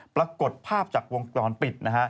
ปรากฏภาพจากวงกรปิด